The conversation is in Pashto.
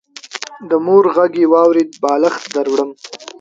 د مور غږ يې واورېد: بالښت دروړم.